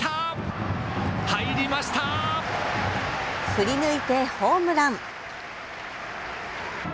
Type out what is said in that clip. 振り抜いてホームラン。